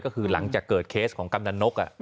ก็คือหลังจากเกิดเคสของกำนันนก